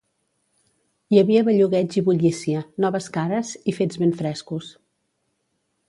Hi havia bellugueig i bullícia, noves cares i fets ben frescos.